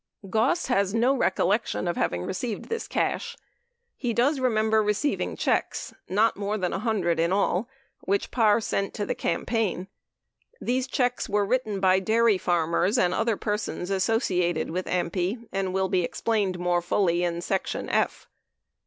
Goss has no recollection of receiving this cash. He does remember receiving checks, not more than 100 in all, which Parr sent to the campaign. These checks were written by dairy farmers and other persons associated with AMPI, and will be explained more fully in Section F.